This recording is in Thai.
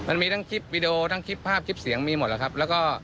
มันมีทั้งคลิปวีดีโอทั้งคลิปภาพคลิปเสียงมีหมดแล้วครับแล้วก็